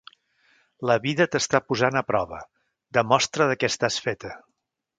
La vida t'està posant a prova. Demostra de què estàs feta!